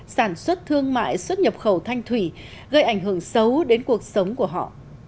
sản xuất thương mại xuất nhập khẩu thanh thủy gây ảnh hưởng xấu đến cuộc sống của họ